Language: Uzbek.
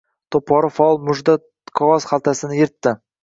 To‘pori faol mujda qog‘oz xaltasini, yirtdi.